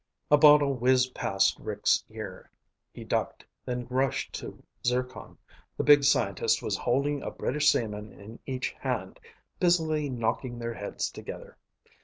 A bottle whizzed past Rick's ear. He ducked, then rushed to Zircon. The big scientist was holding a British seaman in each hand, busily knocking their heads together.